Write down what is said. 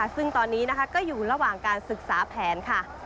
ซึ่งตอนนี้อยู่ระหว่างการศึกษาแผน